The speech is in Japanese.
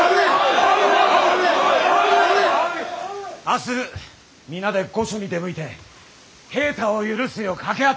明日皆で御所に出向いて平太を許すよう掛け合ってくる。